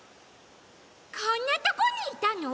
こんなとこにいたの？